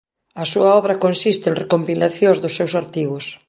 A súa obra consiste en recompilacións dos seus artigos.